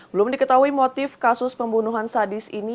belum diketahui motif kasus pembunuhan sadis ini